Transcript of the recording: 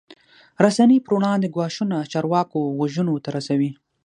رسنۍ پر وړاندې ګواښونه چارواکو غوږونو ته رسوي.